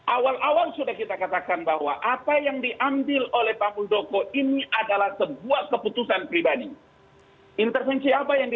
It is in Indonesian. awal awal sudah kita katakan bahwa apa yang diambil oleh pak muldoko ini adalah sebuah keputusan pribadi